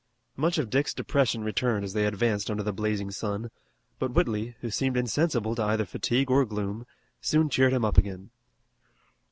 Much of Dick's depression returned as they advanced under the blazing sun, but Whitley, who seemed insensible to either fatigue or gloom, soon cheered him up again.